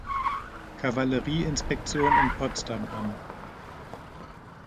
Kavallerie-Inspektion in Potsdam an.